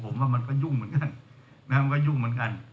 มันก็ยุ่งเหมือนกัน